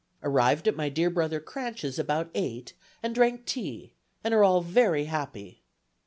Arrived at my dear brother Cranch's about eight, and drank tea, and are all very happy.